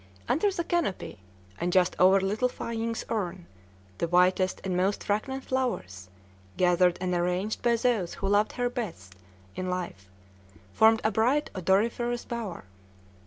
Under the canopy, and just over little Fâ ying's urn, the whitest and most fragrant flowers, gathered and arranged by those who loved her best in life, formed a bright odoriferous bower.